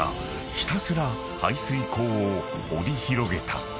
ひたすら排水坑を掘り広げた］